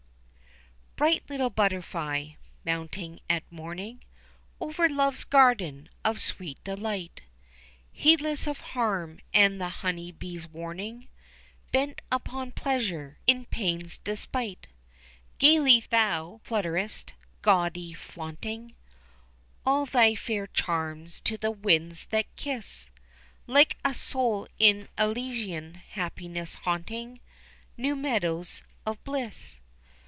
Bright little butterfly, mounting at morning Over Love's garden of sweet delight, Heedless of harm and the honey bee's warning, Bent upon pleasure, in pains despite. Gaily thou flutterest, gaudily flaunting All thy fair charms to the winds that kiss Like a soul in elysian happiness haunting New meadows of bliss.